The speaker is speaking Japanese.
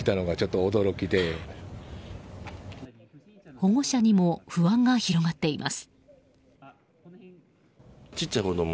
保護者にも不安が広がっています。